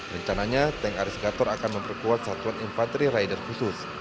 rencananya tank arisgator akan memperkuat satuan infanteri rider khusus